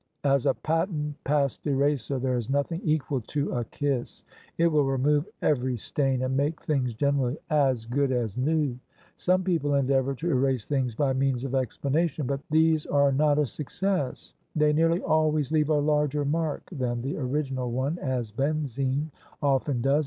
As a patent past eraser there is nothing equal to a kiss: it will remove every stain, and make things generally as good as new. Some people endeavour to erase things by means of explanations: but these are not a success: they nearly always leave a larger mark than the original one, as benzene often does.